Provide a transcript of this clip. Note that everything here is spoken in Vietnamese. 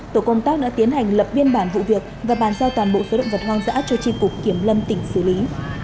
tổ công tác đã tiến hành lập biên bản vụ việc và bàn giao toàn bộ số động vật hoang dã cho tri cục kiểm lâm tỉnh xử lý